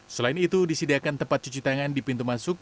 selain itu disediakan tempat cuci tangan di pintu masuk